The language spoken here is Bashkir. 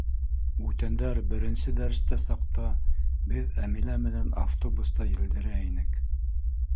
Бүтәндәр беренсе дәрестә саҡта, беҙ Әмилә менән автобуста елдерә инек.